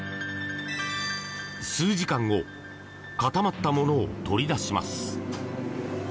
数時間後固まったものを取り出します。